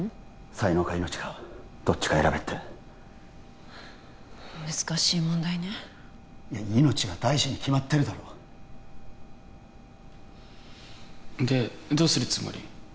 「才能か命かどっちか選べ」って難しい問題ね命が大事に決まってるだろでどうするつもり？